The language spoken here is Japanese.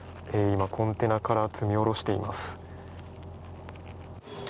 今、コンテナから積み下ろしています。